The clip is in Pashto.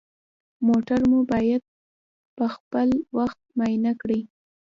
موټر مو باید پخپل وخت معاینه کړئ.